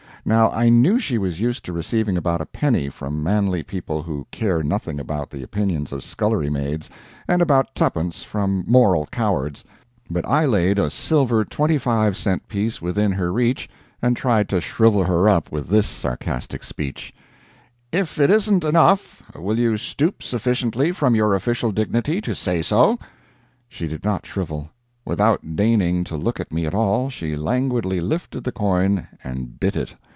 Now I knew she was used to receiving about a penny from manly people who care nothing about the opinions of scullery maids, and about tuppence from moral cowards; but I laid a silver twenty five cent piece within her reach and tried to shrivel her up with this sarcastic speech: "If it isn't enough, will you stoop sufficiently from your official dignity to say so?" She did not shrivel. Without deigning to look at me at all, she languidly lifted the coin and bit it!